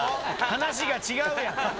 話が違うやん。